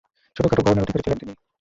ছোটখাটো গড়নের অধিকারী ছিলেন তিনি।